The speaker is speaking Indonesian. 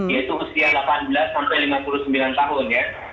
yaitu usia delapan belas sampai lima puluh sembilan tahun ya